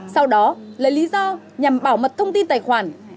sau đó lấy lý do nhằm bảo mật thông tin tài khoản